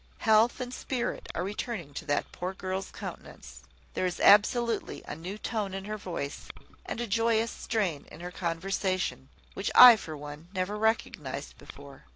Health and spirit are returning to that poor girl's countenance: there is absolutely a new tone in her voice, and a joyous strain in her conversation, which I, for one, never recognised before.